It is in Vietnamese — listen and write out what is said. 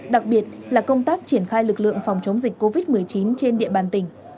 đặc biệt là công tác triển khai lực lượng phòng chống dịch covid một mươi chín trên địa bàn tỉnh